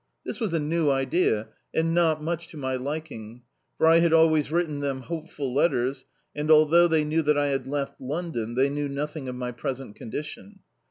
This was a new idea, and not much to my liking, for I had always written them hopeful letters, and although they knew that I had left London, they knew nothing of my present condition.